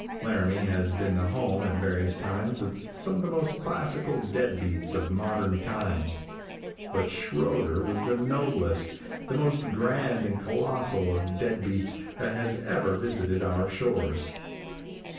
Laramie has been the home, at various times, of some of the most classical dead beats of modern times; but Shroeder was the noblest, the most grand and colossal of dead beats that has ever visited our shores.